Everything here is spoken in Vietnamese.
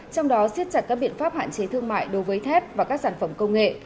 trong đó xiết chặt các biện pháp hạn chế thương mại đối với thép và các sản phẩm công nghệ